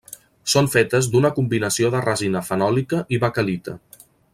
Són fetes d'una combinació de resina fenòlica i baquelita.